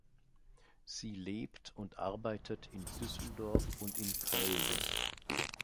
Sie lebt und arbeitet in Düsseldorf und in Köln.